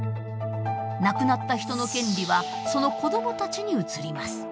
亡くなった人の権利はその子どもたちに移ります。